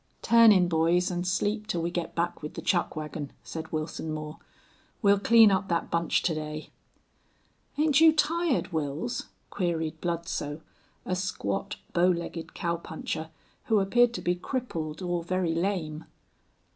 "Turn in, boys, and sleep till we get back with the chuck wagon," said Wilson Moore. "We'll clean up that bunch to day." "Ain't you tired, Wils?" queried Bludsoe, a squat, bow legged cowpuncher who appeared to be crippled or very lame.